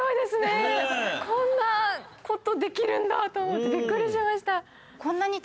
こんなことできるんだと思ってびっくりしました。